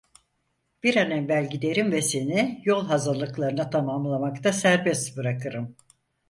Bir an evvel giderim ve seni, yol hazırlıklarını tamamlamakta serbest bırakırım.